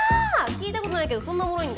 聴いた事ないけどそんなおもろいんだ？